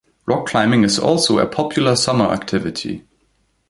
Rock climbing is also a popular summer activity.